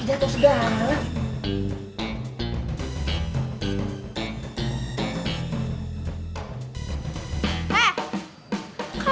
aduh jatuh segala